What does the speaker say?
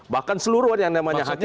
bahkan seluruh yang namanya hakim itu kita